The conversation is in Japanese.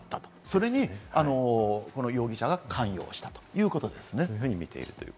それに容疑者が関与したということですね。